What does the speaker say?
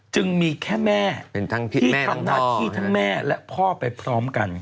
จึงมีแค่แม่ที่ทั้งแม่และพ่อไปพร้อมกัน